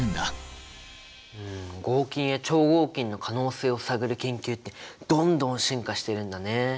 合金や超合金の可能性を探る研究ってどんどん進化してるんだね。